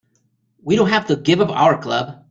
We don't have to give up our club.